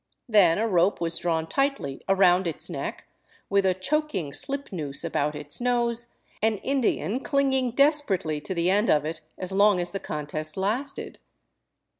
Then a rope was drawn tightly around its neck, with a choking slip noose about its nose, an Indian clinging desperately to the end of it as long as the contest lasted.